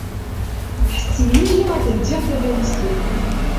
Ḥettmen-iyi ad ledyeɣ tabalizt-inu.